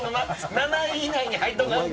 ７位以内にはいっとかんと。